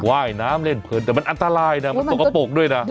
ว่ายน้ำเล่นเพลินแต่มันอันตรายนะมันสกปรกด้วยนะ